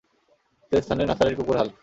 দ্বিতীয় স্থানে নাসারের কুকুর হাল্ক!